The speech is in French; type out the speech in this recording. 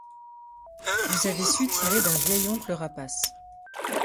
Vous avez su tirer d’un vieil oncle rapace